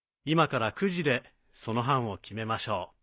今からくじでその班を決めましょう。